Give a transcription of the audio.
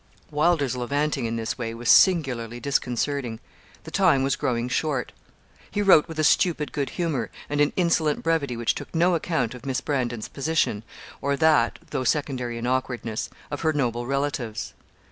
Wylder's levanting in this way was singularly disconcerting. The time was growing short. He wrote with a stupid good humour, and an insolent brevity which took no account of Miss Brandon's position, or that (though secondary in awkwardness) of her noble relatives.